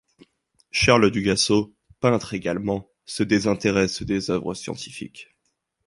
Charles Dugasseau, peintre également, se désintéresse des œuvres scientifiques.